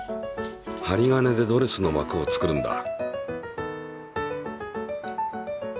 針金でドレスのわくを作るんだ。